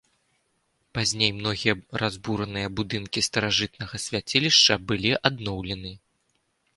Пазней многія разбураныя будынкі старажытнага свяцілішча былі адноўлены.